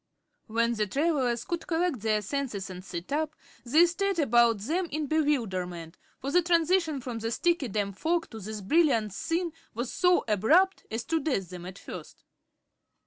When the travelers could collect their senses and sit up they stared about them in bewilderment, for the transition from the sticky, damp fog to this brilliant scene was so abrupt as to daze them at first.